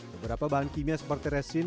beberapa bahan kimia seperti resin